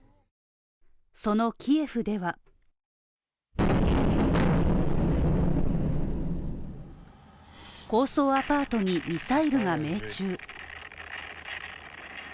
そのキエフでは高層アパートにミサイルが命中。